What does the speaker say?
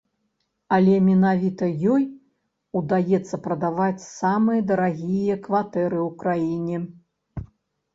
Але менавіта ёй удаецца прадаваць самыя дарагія кватэры ў краіне.